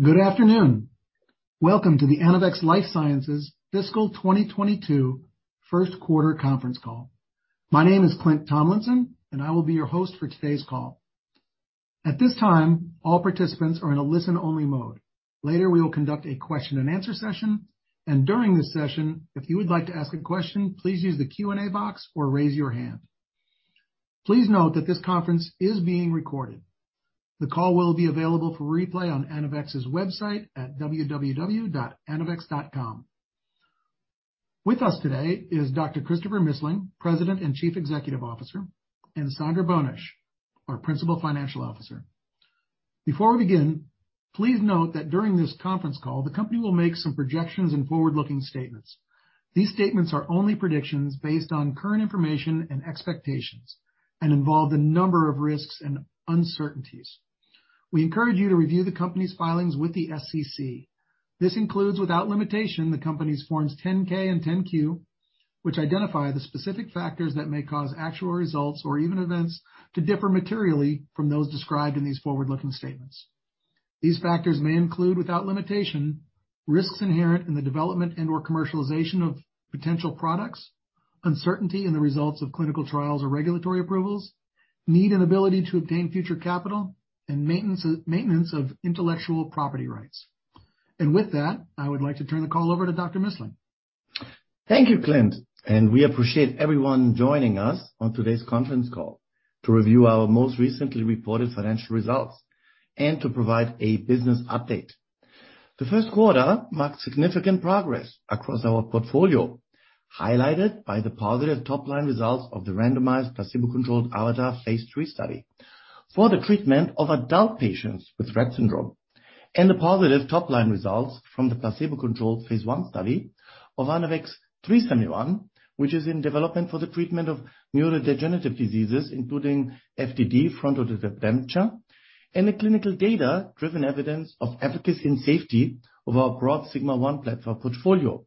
Good afternoon. Welcome to the Anavex Life Sciences fiscal 2022 first quarter conference call. My name is Clint Tomlinson and I will be your host for today's call. At this time, all participants are in a listen-only mode. Later, we will conduct a question and answer session, and during this session, if you would like to ask a question, please use the Q&A box or raise your hand. Please note that this conference is being recorded. The call will be available for replay on Anavex's website at www.anavex.com. With us today is Dr. Christopher Missling, President and Chief Executive Officer, and Sandra Boenisch, our Principal Financial Officer. Before we begin, please note that during this conference call, the company will make some projections and forward-looking statements. These statements are only predictions based on current information and expectations and involve a number of risks and uncertainties. We encourage you to review the company's filings with the SEC. This includes, without limitation, the company's Forms 10-K and 10-Q, which identify the specific factors that may cause actual results or even events to differ materially from those described in these forward-looking statements. These factors may include, without limitation, risks inherent in the development and/or commercialization of potential products, uncertainty in the results of clinical trials or regulatory approvals, need and ability to obtain future capital, and maintenance of intellectual property rights. With that, I would like to turn the call over to Dr. Missling. Thank you, Clint, and we appreciate everyone joining us on today's conference call to review our most recently reported financial results and to provide a business update. The first quarter marked significant progress across our portfolio, highlighted by the positive top-line results of the randomized placebo-controlled AVATAR phase III study for the treatment of adult patients with Rett syndrome and the positive top-line results from the placebo-controlled phase I study of ANAVEX 3-71, which is in development for the treatment of neurodegenerative diseases, including FTD, frontotemporal dementia, and the clinical data-driven evidence of efficacy and safety of our broad sigma-1 platform portfolio,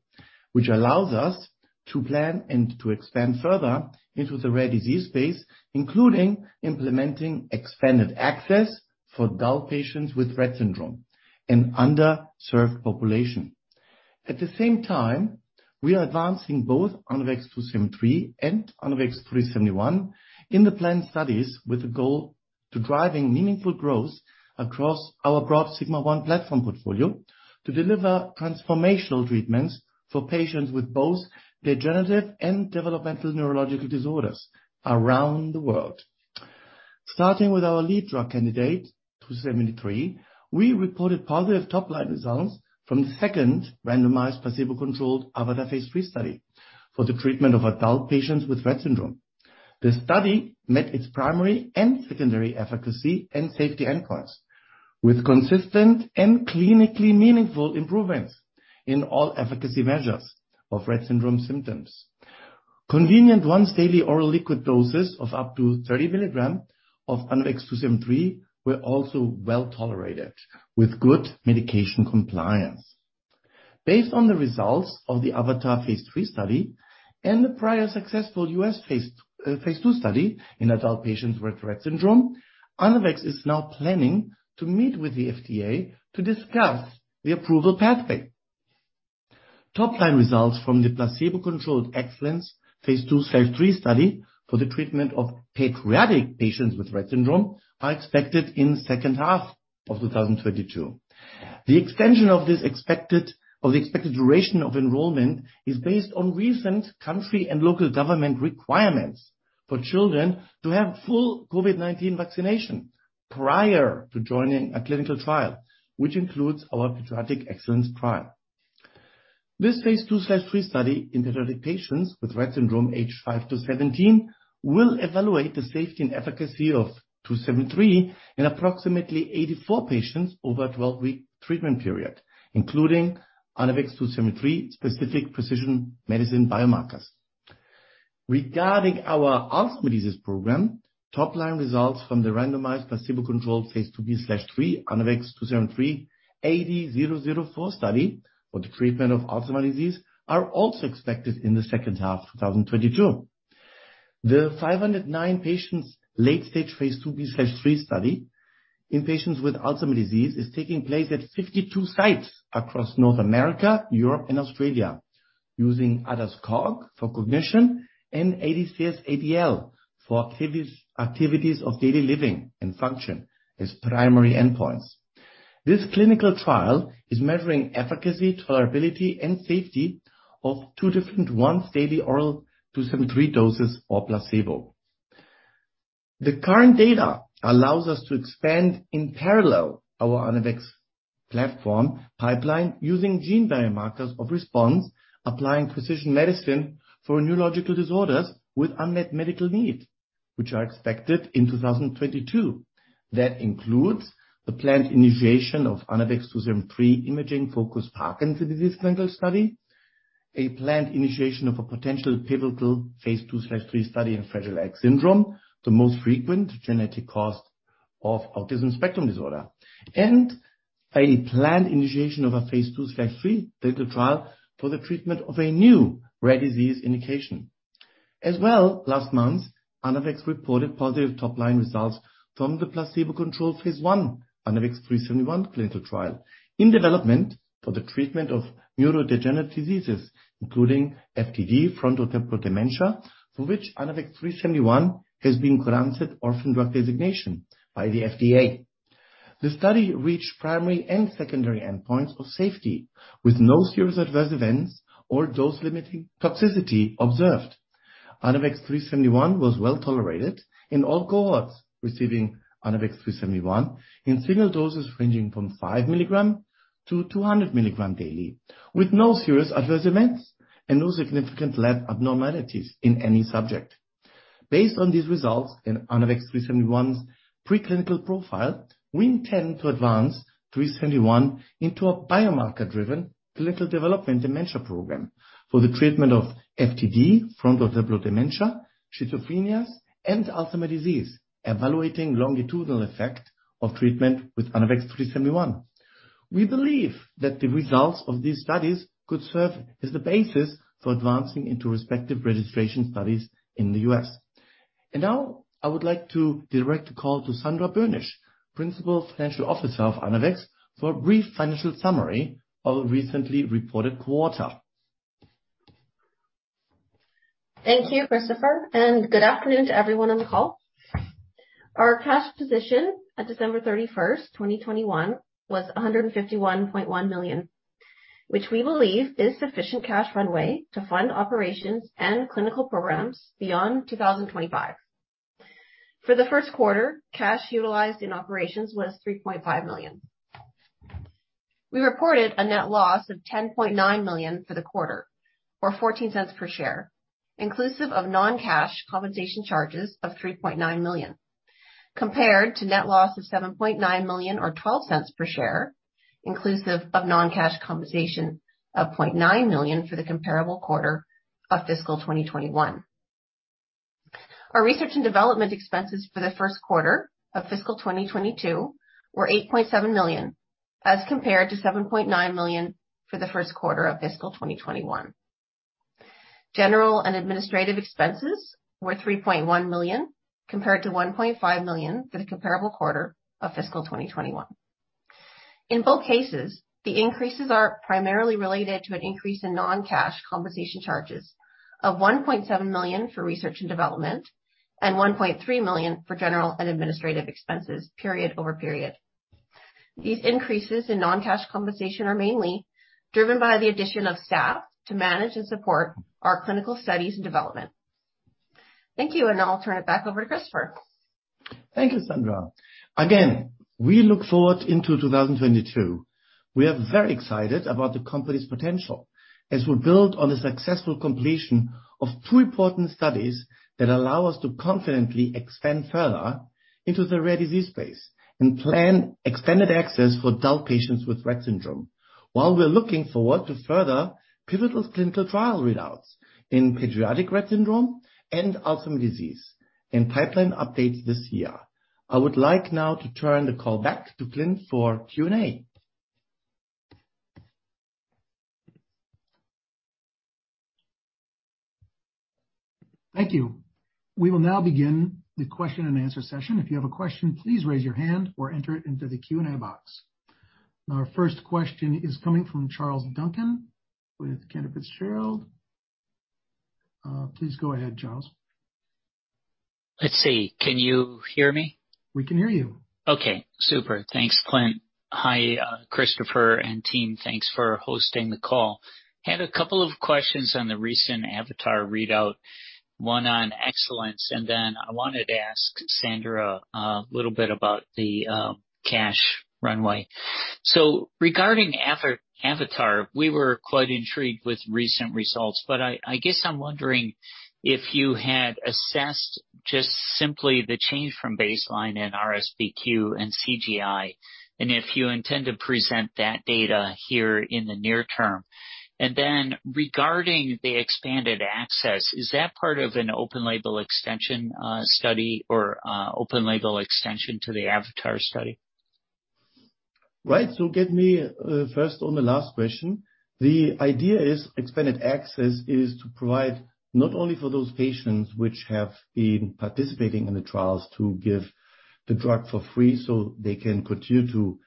which allows us to plan and to expand further into the rare disease space, including implementing expanded access for adult patients with Rett syndrome, an underserved population. At the same time, we are advancing both ANAVEX 2-73 and ANAVEX 3-71 in the planned studies with the goal to driving meaningful growth across our broad sigma-1 platform portfolio to deliver transformational treatments for patients with both degenerative and developmental neurological disorders around the world. Starting with our lead drug candidate, 2-73, we reported positive top-line results from the second randomized placebo-controlled AVATAR phase III study for the treatment of adult patients with Rett syndrome. The study met its primary and secondary efficacy and safety endpoints with consistent and clinically meaningful improvements in all efficacy measures of Rett syndrome symptoms. Convenient once daily oral liquid doses of up to 30 mg of ANAVEX 2-73 were also well-tolerated with good medication compliance. Based on the results of the AVATAR phase III study and the prior successful U.S. phase II study in adult patients with Rett syndrome, Anavex is now planning to meet with the FDA to discuss the approval pathway. Top-line results from the placebo-controlled EXCELLENCE phase II/III study for the treatment of pediatric patients with Rett syndrome are expected in second half of 2022. The extension of the expected duration of enrollment is based on recent country and local government requirements for children to have full COVID-19 vaccination prior to joining a clinical trial, which includes our pediatric EXCELLENCE trial. This phase II/III study in pediatric patients with Rett syndrome aged fivee to 17 will evaluate the safety and efficacy of 2-73 in approximately 84 patients over a 12-week treatment period, including ANAVEX 2-73 specific precision medicine biomarkers. Regarding our Alzheimer's disease program, top-line results from the randomized placebo-controlled phase IIb/III ANAVEX 2-73 AD-004 study for the treatment of Alzheimer's disease are also expected in the second half of 2022. The 509-patient late-stage phase IIb/III study in patients with Alzheimer's disease is taking place at 52 sites across North America, Europe and Australia, using ADAS-Cog for cognition and ADCS-ADL for activities of daily living and function as primary endpoints. This clinical trial is measuring efficacy, tolerability, and safety of two different once-daily oral 2-73 doses or placebo. The current data allows us to expand in parallel our Anavex platform pipeline using gene biomarkers of response, applying precision medicine for neurological disorders with unmet medical needs, which are expected in 2022. That includes the planned initiation of ANAVEX 2-73 imaging-focused Parkinson's disease clinical study, a planned initiation of a potential pivotal phase II/III study in Fragile X syndrome, the most frequent genetic cause of autism spectrum disorder, and a planned initiation of a phase II/III clinical trial for the treatment of a new rare disease indication. As well, last month, Anavex reported positive top-line results from the placebo-controlled phase I ANAVEX 3-71 clinical trial in development for the treatment of neurodegenerative diseases, including FTD, frontotemporal dementia, for which ANAVEX 3-71 has been granted Orphan Drug Designation by the FDA. The study reached primary and secondary endpoints for safety, with no serious adverse events or dose-limiting toxicity observed. ANAVEX 3-71 was well-tolerated in all cohorts receiving ANAVEX 3-71 in single doses ranging from 5 milligrams to 200 milligrams daily, with no serious adverse events and no significant lab abnormalities in any subject. Based on these results, in ANAVEX 3-71's preclinical profile, we intend to advance ANAVEX 3-71 into a biomarker-driven clinical development dementia program for the treatment of FTD, frontotemporal dementia, schizophrenia, and Alzheimer's disease, evaluating longitudinal effect of treatment with ANAVEX 3-71. We believe that the results of these studies could serve as the basis for advancing into respective registration studies in the U.S. Now I would like to direct the call to Sandra Boenisch, Principal Financial Officer of Anavex, for a brief financial summary of the recently reported quarter. Thank you, Christopher, and good afternoon to everyone on the call. Our cash position at December 31, 2021 was $151.1 million, which we believe is sufficient cash runway to fund operations and clinical programs beyond 2025. For the first quarter, cash utilized in operations was $3.5 million. We reported a net loss of $10.9 million for the quarter or $0.14 per share, inclusive of non-cash compensation charges of $3.9 million, compared to net loss of $7.9 million or $0.12 per share, inclusive of non-cash compensation of $0.9 million for the comparable quarter of fiscal 2021. Our research and development expenses for the first quarter of fiscal 2022 were $8.7 million, as compared to $7.9 million for the first quarter of fiscal 2021. General and administrative expenses were $3.1 million, compared to $1.5 million for the comparable quarter of fiscal 2021. In both cases, the increases are primarily related to an increase in non-cash compensation charges of $1.7 million for research and development and $1.3 million for general and administrative expenses, period-over-period. These increases in non-cash compensation are mainly driven by the addition of staff to manage and support our clinical studies and development. Thank you, and I'll turn it back over to Christopher. Thank you, Sandra. Again, we look forward to 2022. We are very excited about the company's potential as we build on the successful completion of two important studies that allow us to confidently expand further into the rare disease space and plan expanded access for adult patients with Rett syndrome, while we're looking forward to further pivotal clinical trial readouts in pediatric Rett syndrome and Alzheimer's disease and pipeline updates this year. I would like now to turn the call back to Clint for Q&A. Thank you. We will now begin the question-and-answer session. If you have a question, please raise your hand or enter it into the Q&A box. Our first question is coming from Charles Duncan with Cantor Fitzgerald. Please go ahead, Charles. Let's see. Can you hear me? We can hear you. Okay, super. Thanks, Clint. Hi, Christopher and team. Thanks for hosting the call. Had a couple of questions on the recent AVATAR readout, one on EXCELLENCE, and then I wanted to ask Sandra a little bit about the cash runway. Regarding AVATAR, we were quite intrigued with recent results, but I guess I'm wondering if you had assessed just simply the change from baseline in RSBQ and CGI, and if you intend to present that data here in the near term. Regarding the expanded access, is that part of an open-label extension study or open-label extension to the AVATAR study? Right. Get me first on the last question. The idea is expanded access is to provide not only for those patients which have been participating in the trials to give the drug for free so they can continue to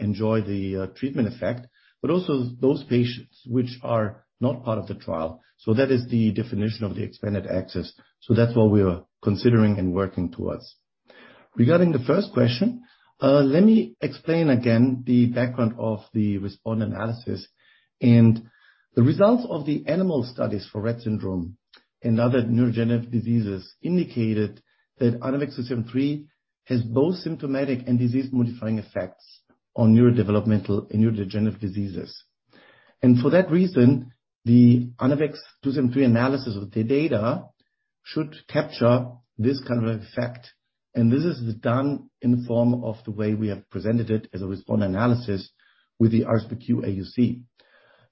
enjoy the treatment effect, but also those patients which are not part of the trial. That is the definition of the expanded access. That's what we are considering and working towards. Regarding the first question, let me explain again the background of the responder analysis and the results of the animal studies for Rett syndrome and other neurodegenerative diseases indicated that ANAVEX 2-73 has both symptomatic and disease-modifying effects on neurodevelopmental and neurodegenerative diseases. For that reason, the ANAVEX 2-73 analysis of the data should capture this kind of effect. This is done in the form of the way we have presented it as a responder analysis with the RSBQ AUC.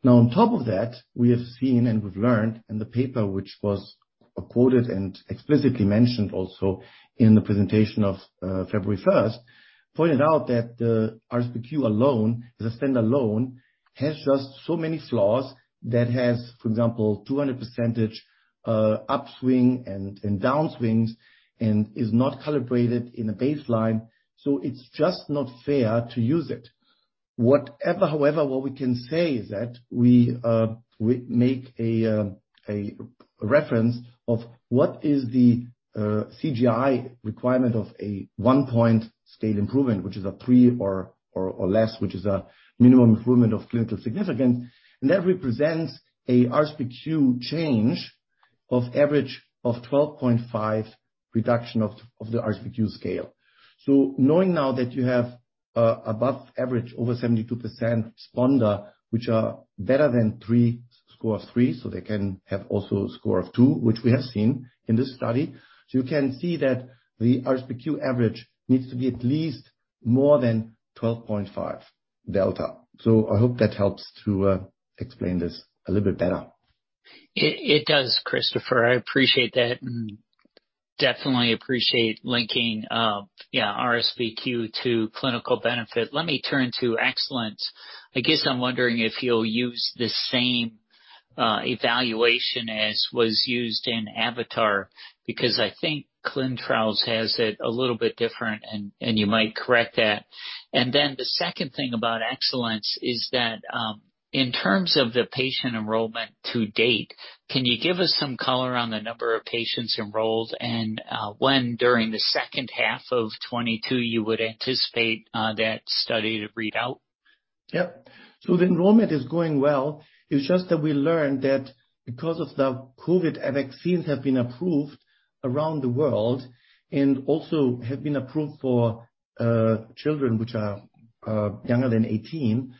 Now, on top of that, we have seen and we've learned in the paper which was quoted and explicitly mentioned also in the presentation of February first, pointed out that the RSBQ alone, as a standalone, has just so many flaws that has, for example, 200% upswing and downswings, and is not calibrated in a baseline, so it's just not fair to use it. What we can say is that we make a reference of what is the CGI requirement of a one-point scale improvement, which is a three or less, which is a minimum improvement of clinical significance, and that represents a RSBQ change of average of 12.5 reduction of the RSBQ scale. Knowing now that you have above average over 72% responder, which are better than three, score of three, so they can have also a score of two, which we have seen in this study. You can see that the RSBQ average needs to be at least more than 12.5 delta. I hope that helps to explain this a little bit better. It does, Christopher. I appreciate that and definitely appreciate linking RSBQ to clinical benefit. Let me turn to EXCELLENCE. I guess I'm wondering if you'll use the same evaluation as was used in AVATAR, because I think ClinicalTrials.gov has it a little bit different and you might correct that. Then the second thing about EXCELLENCE is that, in terms of the patient enrollment to date, can you give us some color on the number of patients enrolled and when during the second half of 2022 you would anticipate that study to read out? Yep. The enrollment is going well. It's just that we learned that because of the COVID vaccines have been approved around the world, and also have been approved for children who are younger than 18.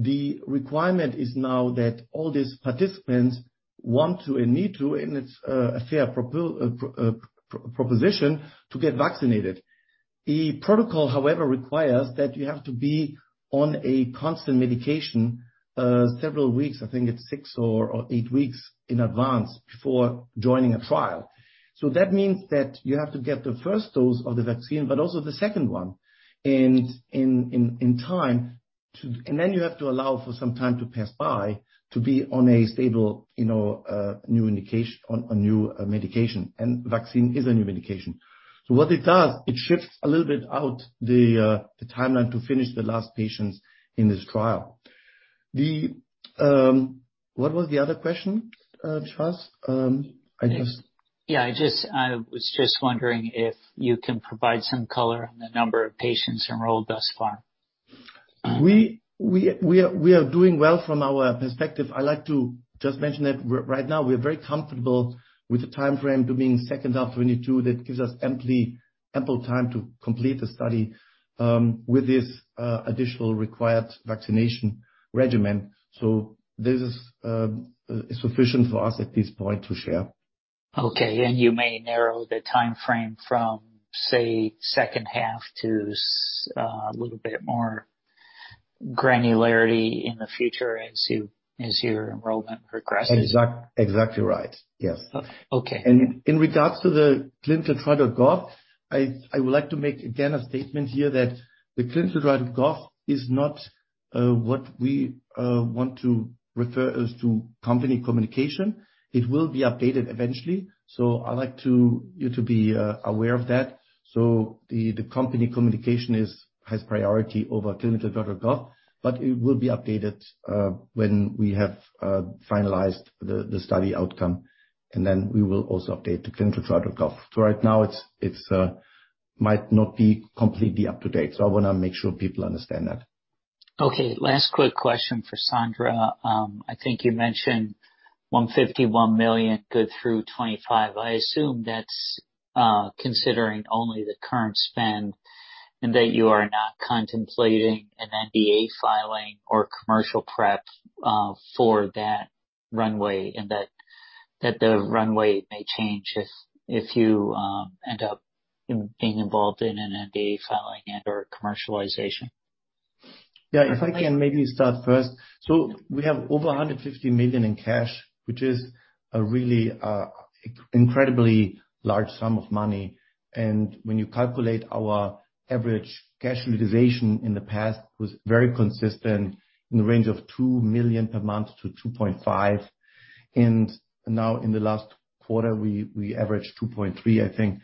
The requirement is now that all these participants want to and need to, and it's a fair proposition to get vaccinated. The protocol, however, requires that you have to be on a constant medication several weeks, I think it's six or eight weeks in advance before joining a trial. That means that you have to get the first dose of the vaccine, but also the second one and in time to You have to allow for some time to pass by to be on a stable, you know, on a new medication, and vaccine is a new medication. What it does, it shifts a little bit out the timeline to finish the last patients in this trial. What was the other question, Charles? I was just wondering if you can provide some color on the number of patients enrolled thus far. We are doing well from our perspective. I like to just mention that right now we're very comfortable with the timeframe to being second half 2022. That gives us ample time to complete the study with this additional required vaccination regimen. This is sufficient for us at this point to share. Okay. You may narrow the timeframe from, say, second half to a little bit more granularity in the future as your enrollment progresses. Exactly right. Yes. Okay. In regards to the ClinicalTrials.gov, I would like to make, again, a statement here that the ClinicalTrials.gov is not what we want to refer as to company communication. It will be updated eventually, so I'd like to you to be aware of that. The company communication has priority over ClinicalTrials.gov, but it will be updated when we have finalized the study outcome, and then we will also update the ClinicalTrials.gov. Right now it's might not be completely up to date. I wanna make sure people understand that. Okay. Last quick question for Sandra. I think you mentioned $151 million good through 2025. I assume that's considering only the current spend and that you are not contemplating an NDA filing or commercial prep for that runway and that the runway may change if you end up being involved in an NDA filing and/or commercialization. Yeah, if I can maybe start first. We have over $150 million in cash, which is a really, incredibly large sum of money. When you calculate our average cash utilization in the past was very consistent in the range of $2 million per month to $2.5 million. Now in the last quarter, we averaged 2.3, I think.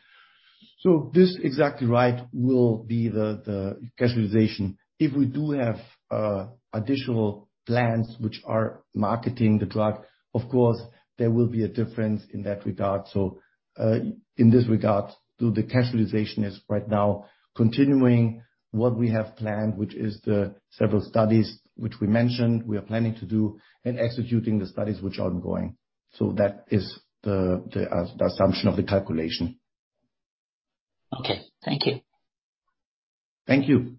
This exactly right, will be the cash utilization. If we do have additional plans which are marketing the drug, of course there will be a difference in that regard. In this regard, the cash utilization is right now continuing what we have planned, which is the several studies which we mentioned we are planning to do and executing the studies which are ongoing. That is the assumption of the calculation. Okay. Thank you. Thank you.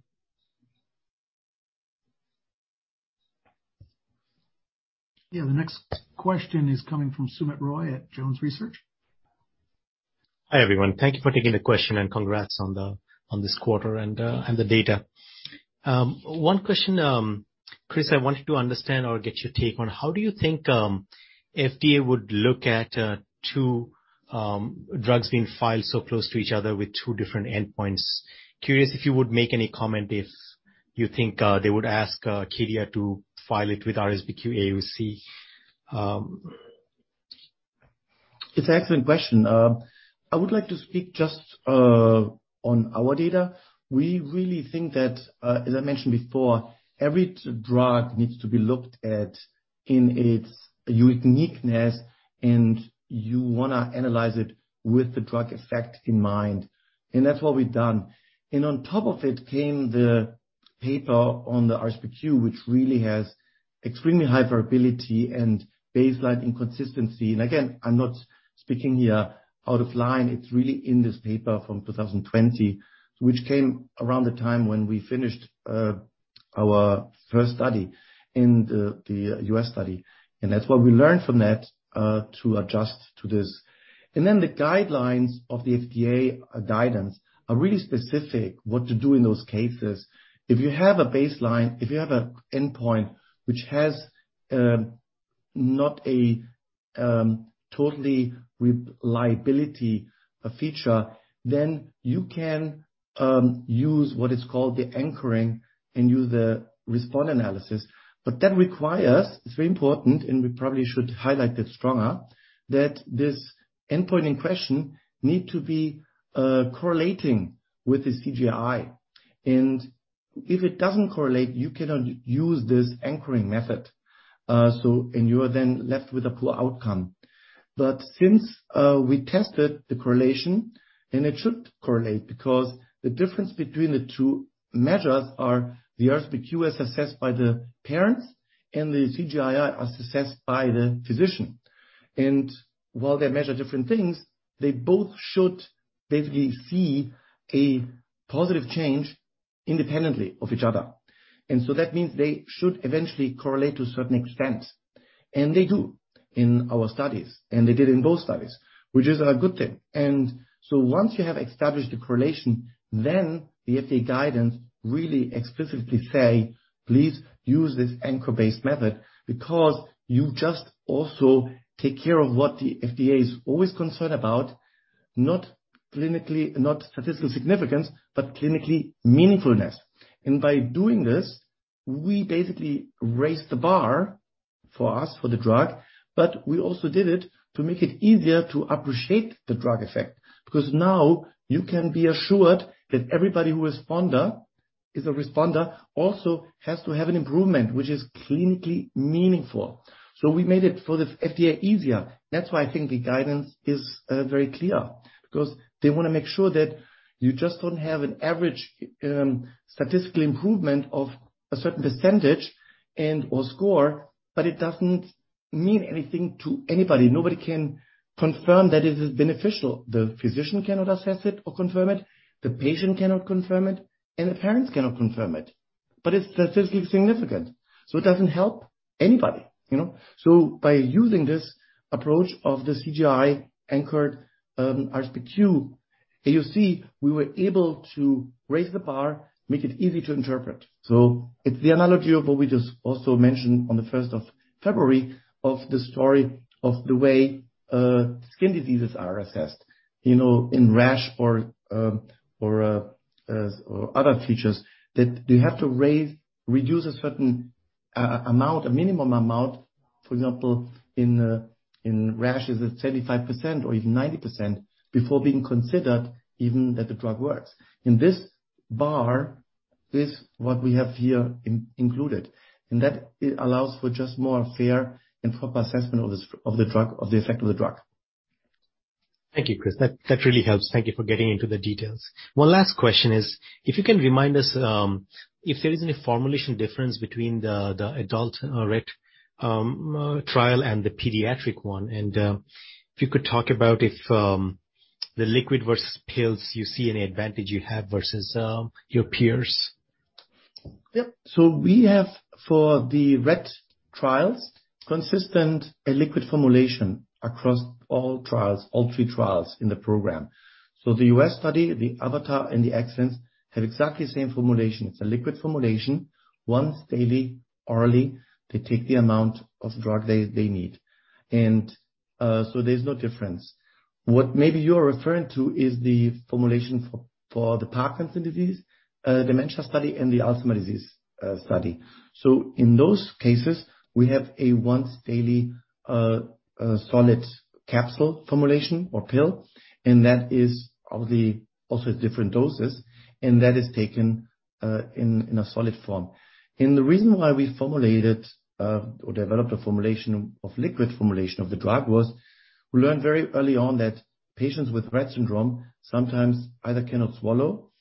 Yeah. The next question is coming from Soumit Roy at Jones Research. Hi, everyone. Thank you for taking the question, and congrats on this quarter and the data. One question, Chris. I wanted to understand or get your take on. How do you think FDA would look at two drugs being filed so close to each other with two different endpoints? Curious if you would make any comment if you think they would ask Acadia to file it with RSBQ AUC. It's an excellent question. I would like to speak just on our data. We really think that, as I mentioned before, every targeted drug needs to be looked at in its uniqueness, and you wanna analyze it with the drug effect in mind. That's what we've done. On top of it came the paper on the RSBQ, which really has extremely high variability and baseline inconsistency. Again, I'm not speaking here out of line, it's really in this paper from 2020, which came around the time when we finished our first study in the U.S. study. That's what we learned from that to adjust to this. Then the guidelines of the FDA guidance are really specific what to do in those cases. If you have an endpoint which has not totally reliable feature, then you can use what is called the anchoring, and use the responder analysis. That requires, it's very important, and we probably should highlight it stronger, that this endpoint in question needs to be correlating with the CGI. If it doesn't correlate, you cannot use this anchoring method, so and you are then left with a poor outcome. Since we tested the correlation, and it should correlate because the difference between the two measures are the RSBQ was assessed by the parents and the CGI are assessed by the physician. While they measure different things, they both should basically see a positive change independently of each other. So that means they should eventually correlate to a certain extent. They do in our studies, and they did in both studies, which is a good thing. Once you have established the correlation, then the FDA guidance really explicitly say, "Please use this anchor-based method," because you just also take care of what the FDA is always concerned about, not clinically, not statistical significance, but clinically meaningfulness. By doing this, we basically raised the bar for us, for the drug, but we also did it to make it easier to appreciate the drug effect. Because now you can be assured that everybody who responder, is a responder also has to have an improvement which is clinically meaningful. We made it for the FDA easier. That's why I think the guidance is very clear, because they wanna make sure that you just don't have an average statistical improvement of a certain percentage and/or score, but it doesn't mean anything to anybody. Nobody can confirm that it is beneficial. The physician cannot assess it or confirm it, the patient cannot confirm it, and the parents cannot confirm it. But it's statistically significant, so it doesn't help anybody, you know? By using this approach of the CGI anchored RSBQ AUC, we were able to raise the bar, make it easy to interpret. It's the analogy of what we just also mentioned on the first of February of the story of the way skin diseases are assessed. You know, in rash or other features that they have to raise, reduce a certain amount, a minimum amount. For example, in phases, it's 75% or even 90% before being considered even that the drug works. In this part, that's what we have here included, and that allows for just more fair and proper assessment of the safety of the drug, of the effect of the drug. Thank you, Chris. That really helps. Thank you for getting into the details. One last question is if you can remind us if there is any formulation difference between the adult Rett trial and the pediatric one. If you could talk about the liquid versus pills, you see any advantage you have versus your peers. Yep. We have for the Rett trials a consistent liquid formulation across all trials, all three trials in the program. The U.S. study, the AVATAR and the EXCELLENCE have exactly the same formulation. It's a liquid formulation, once daily, orally. They take the amount of drug they need. There's no difference. What maybe you are referring to is the formulation for the Parkinson's disease dementia study and the Alzheimer's disease study. In those cases, we have a once daily solid capsule formulation or pill, and that is also of different doses, and that is taken in a solid form. The reason why we formulated or developed a liquid formulation of the drug was we learned very early on that patients with Rett syndrome sometimes either cannot swallow,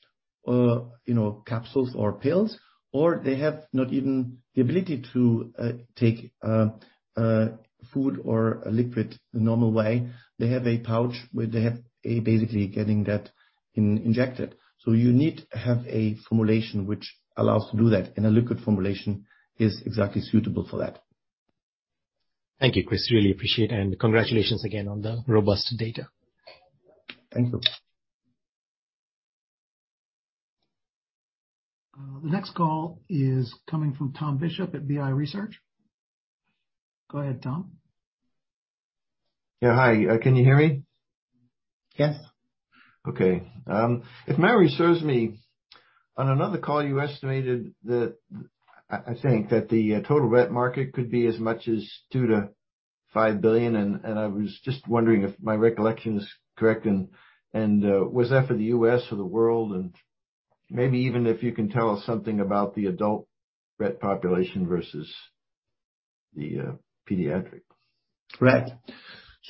you know, capsules or pills, or they have not even the ability to take food or liquid the normal way. They have a pouch where they have a basically getting that injected. You need to have a formulation which allows to do that, and a liquid formulation is exactly suitable for that. Thank you, Chris, really appreciate it. Congratulations again on the robust data. Thank you. The next call is coming from Tom Bishop at BI Research. Go ahead, Tom. Yeah, hi. Can you hear me? Yes. Okay. If memory serves me, on another call you estimated that, I think, that the total Rett market could be as much as $2 billion-$5 billion. I was just wondering if my recollection is correct, was that for the U.S. or the world? Maybe even if you can tell us something about the adult Rett population versus the pediatric. Right.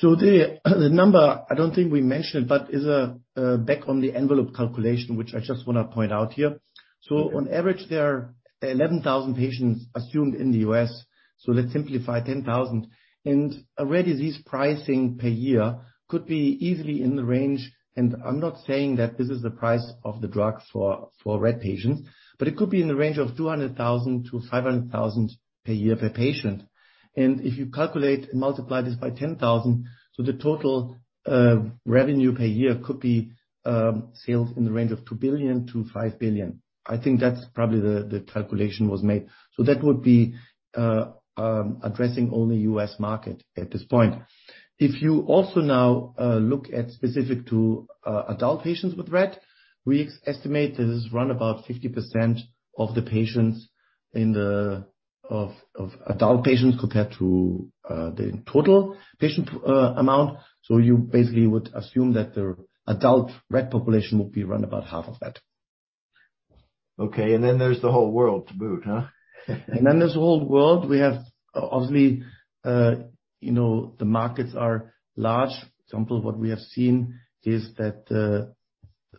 The number I don't think we mentioned, but is back-of-the-envelope calculation, which I just wanna point out here. On average, there are 11,000 patients assumed in the U.S. Let's simplify, 10,000. A rare disease pricing per year could be easily in the range, and I'm not saying that this is the price of the drug for Rett patients, but it could be in the range of $200,000-$500,000 per year per patient. If you calculate and multiply this by 10,000, the total revenue per year could be sales in the range of $2 billion-$5 billion. I think that's probably the calculation was made. That would be addressing only U.S. market at this point. If you look at specific to adult patients with Rett, we estimate this is round about 50% of the patients of adult patients compared to the total patient amount. You basically would assume that the adult Rett population would be round about half of that. Okay. There's the whole world to boot, huh? There's the whole world. We have obviously, you know, the markets are large. For example, what we have seen is that,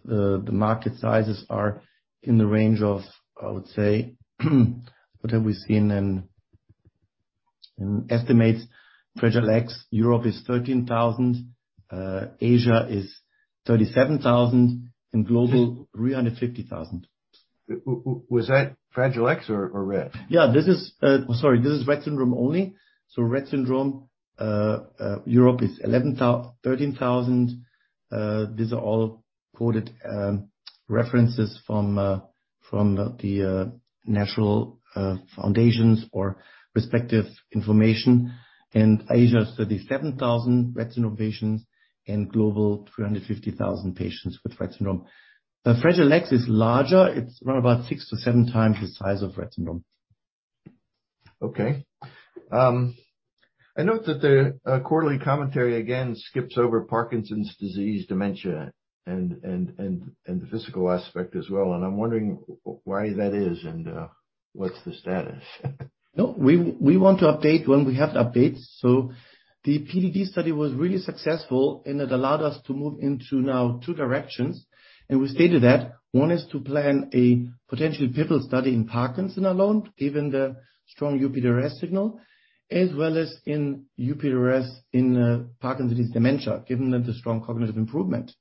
the market sizes are in the range of, I would say, what have we seen in estimates, Fragile X, Europe is 13,000, Asia is 37,000, and global 350,000. Was that Fragile X or Rett? This is Rett syndrome only. Rett syndrome, Europe is 13,000. These are all quoted references from the national foundations or respective information. Asia is 37,000 Rett syndrome patients, and global, 350,000 patients with Rett syndrome. The Fragile X is larger. It's round about 6x-7x the size of Rett syndrome. Okay. I note that the quarterly commentary again skips over Parkinson's disease dementia and the physical aspect as well, and I'm wondering why that is and what's the status. No. We want to update when we have updates. The PDD study was really successful, and it allowed us to move into now two directions, and we stated that. One is to plan a potential pivotal study in Parkinson's alone, given the strong UPDRS signal, as well as in UPDRS in Parkinson's disease dementia, given that the strong cognitive improvement.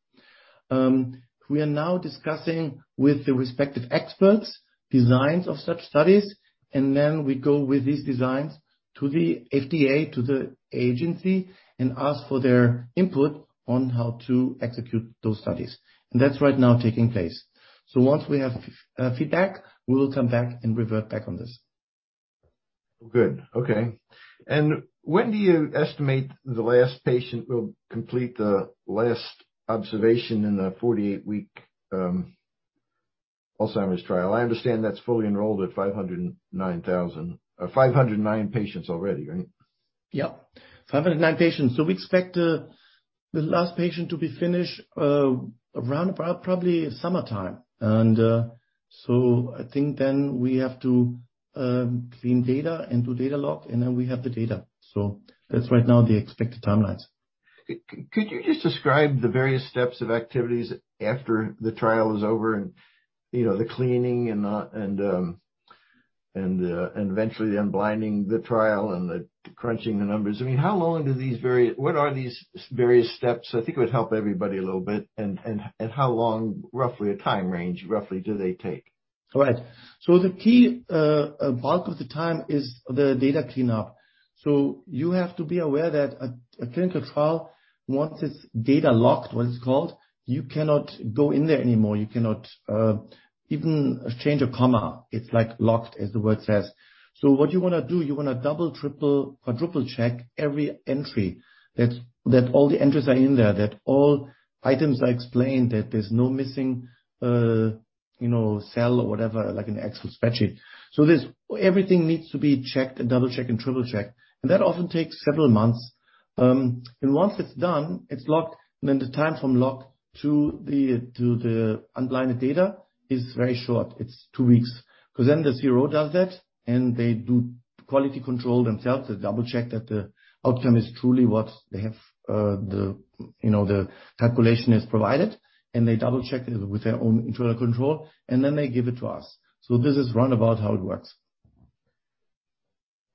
We are now discussing with the respective experts designs of such studies, and then we go with these designs to the FDA, to the agency, and ask for their input on how to execute those studies. That's right now taking place. Once we have feedback, we will come back and revert back on this. Good. Okay. When do you estimate the last patient will complete the last observation in the 48-week Alzheimer's trial? I understand that's fully enrolled at 509 patients already, right? Yeah. 509 patients. We expect the last patient to be finished around about probably summertime. I think then we have to clean data and do data lock, and then we have the data. That's right now the expected timelines. Could you just describe the various steps of activities after the trial is over and, you know, the cleaning and eventually unblinding the trial and crunching the numbers. I mean, what are these various steps? I think it would help everybody a little bit. How long, roughly a time range, roughly do they take? Right. The key bulk of the time is the data cleanup. You have to be aware that a clinical trial, once it's data locked, what it's called, you cannot go in there anymore. You cannot even change a comma. It's like locked, as the word says. What you wanna do, you wanna double, triple, quadruple-check every entry. That all the entries are in there, that all items are explained, that there's no missing, you know, cell or whatever, like an Excel spreadsheet. Everything needs to be checked and double-checked and triple-checked. That often takes several months. Once it's done, it's locked, and then the time from lock to the unblinded data is very short. It's two weeks. Because then the CRO does that, and they do quality control themselves. They double-check that the outcome is truly what they have, you know, the calculation is provided, and they double-check it with their own internal control, and then they give it to us. This is round about how it works.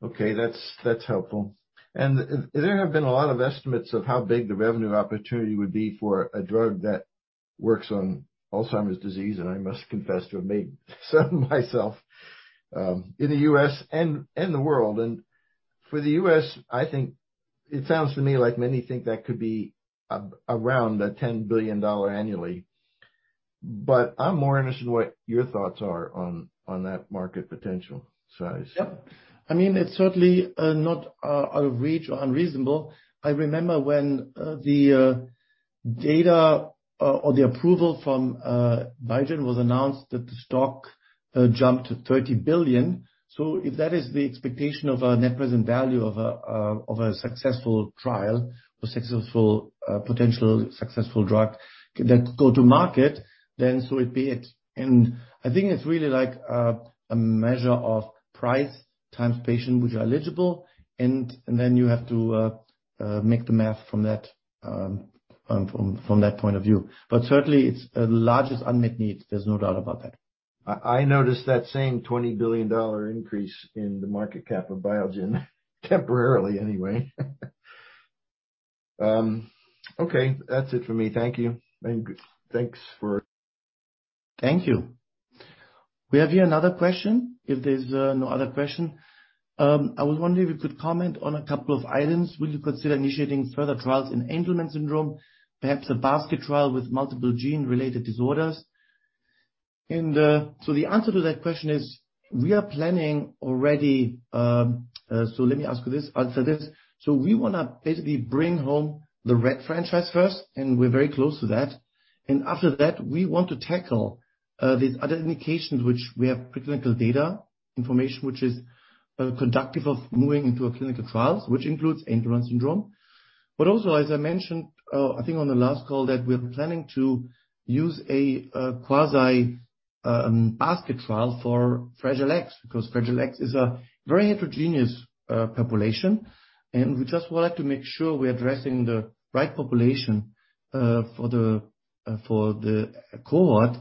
Okay. That's helpful. There have been a lot of estimates of how big the revenue opportunity would be for a drug that works on Alzheimer's disease, and I must confess to have made some myself in the U.S. and the world. For the U.S., I think it sounds to me like many think that could be around $10 billion annually. I'm more interested in what your thoughts are on that market potential size. Yep. I mean, it's certainly not out of reach or unreasonable. I remember when the data or the approval from Biogen was announced that the stock jumped to $30 billion. If that is the expectation of a net present value of a successful trial or potential successful drug that go to market, then so be it. I think it's really like a measure of price times patients which are eligible, and then you have to do the math from that point of view. Certainly it's the largest unmet need, there's no doubt about that. I noticed that same $20 billion increase in the market cap of Biogen, temporarily anyway. Okay, that's it for me. Thank you. Thanks for- Thank you. We have here another question. If there's no other question, I was wondering if you could comment on a couple of items. Will you consider initiating further trials in Angelman syndrome, perhaps a basket trial with multiple gene-related disorders? The answer to that question is we are planning already. Let me ask you this, answer this. We want to basically bring home the Rett franchise first, and we're very close to that. After that, we want to tackle these other indications which we have preclinical data information, which is conducive to moving into a clinical trial, which includes Angelman syndrome. Also, as I mentioned, I think on the last call, that we're planning to use a quasi basket trial for Fragile X, because Fragile X is a very heterogeneous population. We just wanted to make sure we're addressing the right population for the cohort.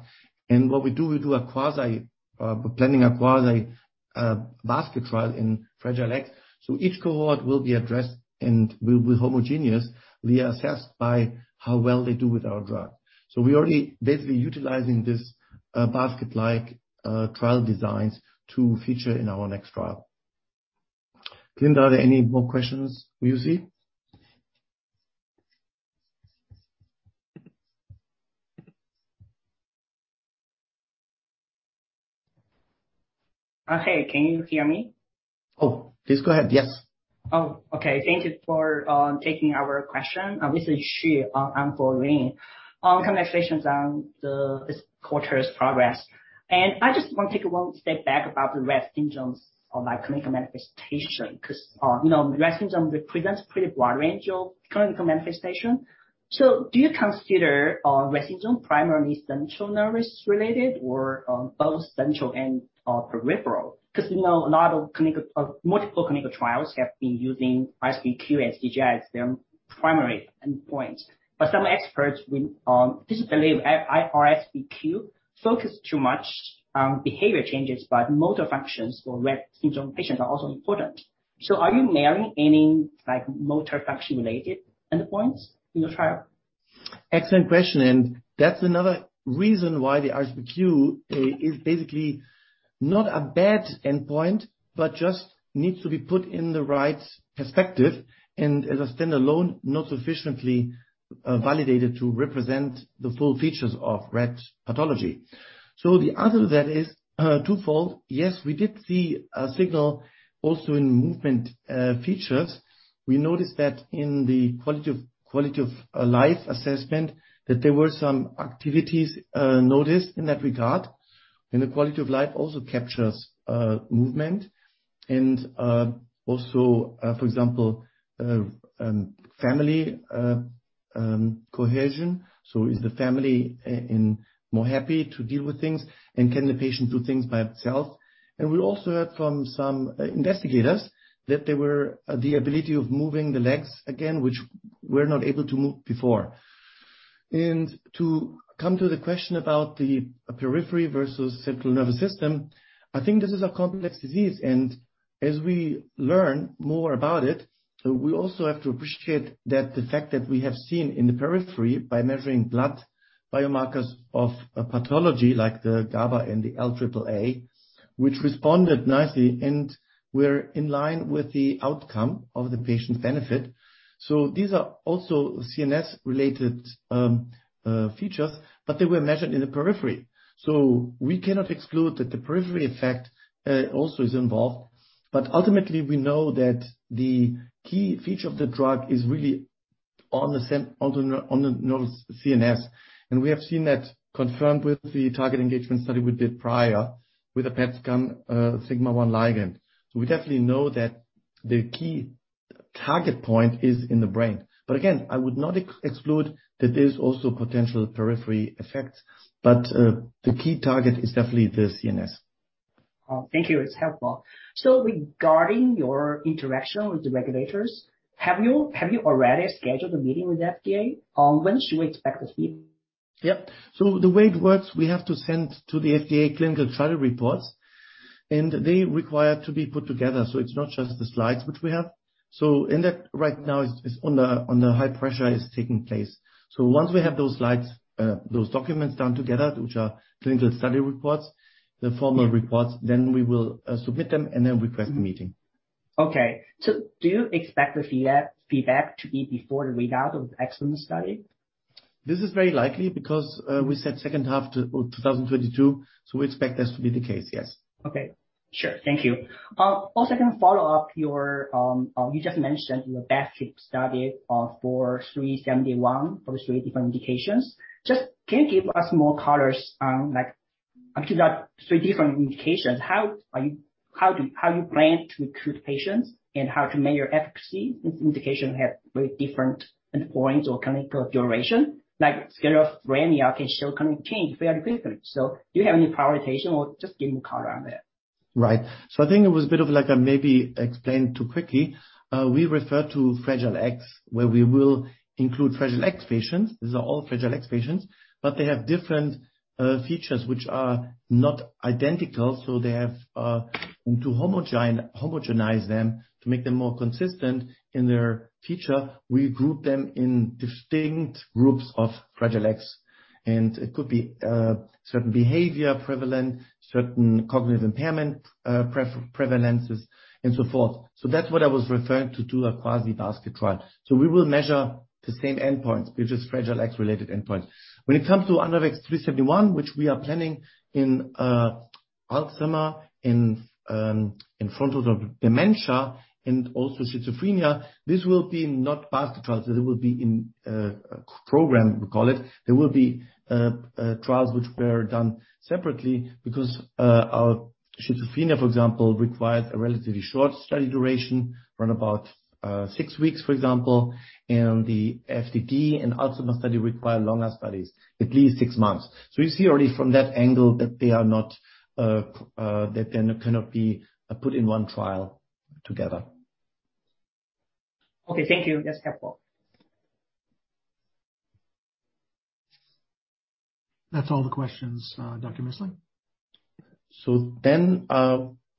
We're planning a quasi basket trial in Fragile X. Each cohort will be addressed and will be homogeneous. We assess by how well they do with our drug. We're already basically utilizing this basket-like trial design to feature in our next trial. Clint, are there any more questions you see? Hey, can you hear me? Oh, please go ahead. Yes. Oh, okay. Thank you for taking our question. This is Shi. I'm calling in on this quarter's progress. I just wanna take one step back about the Rett syndrome or like clinical manifestation, 'cause you know, Rett syndrome represents pretty broad range of clinical manifestation. Do you consider Rett syndrome primarily central nervous system related or both central nervous system and peripheral? 'Cause we know a lot of clinical multiple clinical trials have been using RSBQ and CGI, their primary endpoints. But some experts will disagree with RSBQ focus too much on behavior changes, but motor functions for Rett syndrome patients are also important. Are you measuring any like motor function related endpoints in your trial? Excellent question. That's another reason why the RSBQ is basically not a bad endpoint, but just needs to be put in the right perspective and as a standalone, not sufficiently validated to represent the full features of Rett pathology. The answer to that is twofold. Yes, we did see a signal also in movement features. We noticed that in the quality of life assessment, that there were some activities noticed in that regard. The quality of life also captures movement and also, for example, family cohesion. Is the family any more happy to deal with things, and can the patient do things by himself? We also heard from some investigators that there was the ability of moving the legs again, which were not able to move before. To come to the question about the periphery versus central nervous system, I think this is a complex disease and as we learn more about it, we also have to appreciate that the fact that we have seen in the periphery by measuring blood biomarkers of a pathology like the GABA and the L-AABA, which responded nicely and were in line with the outcome of the patient benefit. These are also CNS-related features, but they were measured in the periphery. We cannot exclude that the periphery effect also is involved. Ultimately, we know that the key feature of the drug is really on the neural CNS. We have seen that confirmed with the target engagement study we did prior with a PET scan, sigma-1 ligand. We definitely know that the key target point is in the brain. Again, I would not exclude that there's also potential peripheral effects. The key target is definitely the CNS. Thank you. It's helpful. Regarding your interaction with the regulators, have you already scheduled a meeting with FDA? When should we expect to see you? Yep. The way it works, we have to send the clinical study reports to the FDA, and they require to be put together. It's not just the slides which we have. The work on that right now is under high pressure taking place. Once we have those slides, those documents put together, which are clinical study reports, the formal reports, then we will submit them and request a meeting. Do you expect the FDA feedback to be before the readout of the EXCELLENCE study? This is very likely because we said second half of 2022, so we expect this to be the case, yes. Okay, sure. Thank you. Also, can you follow up on your, you just mentioned your basket study for 3-71 for three different indications. Just, can you give us more colors on, like, actually that three different indications, how do you plan to recruit patients and how to measure efficacy since indication have very different endpoints or clinical duration, like scale of MS can show clinical change very quickly. Do you have any prioritization or just give me color on that. Right. I think it was a bit like I maybe explained too quickly. We refer to Fragile X, where we will include Fragile X patients. These are all Fragile X patients, but they have different features which are not identical. They have to homogenize them to make them more consistent in their feature. We group them in distinct groups of Fragile X, and it could be certain behavior prevalent, certain cognitive impairment, prevalences, and so forth. That's what I was referring to a quasi-basket trial. We will measure the same endpoints, which is Fragile X-related endpoints. When it comes to ANAVEX 3-71, which we are planning in Alzheimer's, in frontotemporal dementia and also schizophrenia, this will be not basket trials. It will be in a program we call it. There will be trials which were done separately because our schizophrenia, for example, required a relatively short study duration, run about six weeks, for example. The FTD and Alzheimer's study require longer studies, at least six months. You see already from that angle that they cannot be put in one trial together. Okay, thank you. That's helpful. That's all the questions, Dr. Missling.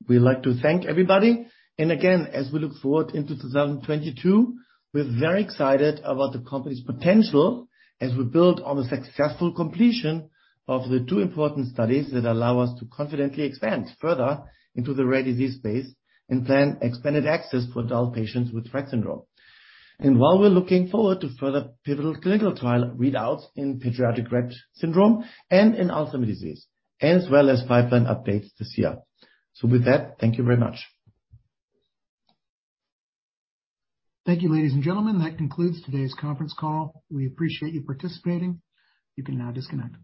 We'd like to thank everybody. Again, as we look forward into 2022, we're very excited about the company's potential as we build on the successful completion of the two important studies that allow us to confidently expand further into the rare disease space and plan expanded access to adult patients with Rett syndrome, while we're looking forward to further pivotal clinical trial readouts in pediatric Rett syndrome and in Alzheimer's disease, as well as pipeline updates this year. With that, thank you very much. Thank you, ladies and gentlemen. That concludes today's conference call. We appreciate you participating. You can now disconnect.